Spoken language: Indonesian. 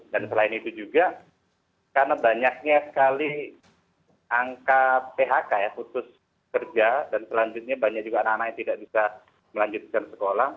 dan selain itu juga karena banyaknya sekali angka phk ya khusus kerja dan selanjutnya banyak juga anak anak yang tidak bisa melanjutkan sekolah